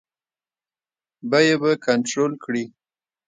بیې به کنټرول کړي.